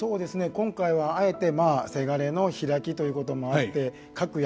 今回はあえてせがれの「披き」ということもあって各役